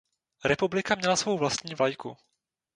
Republika měla svou vlastní vlajku.